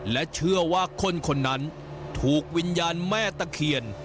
และเชื่อว่าคนคนนั้นถูกวิญญาณแม่ตะเคียน